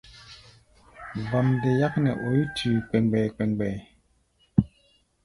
Vamde yák nɛ oí tui kpɛɛmgbɛɛ-kpɛɛmgbɛɛ.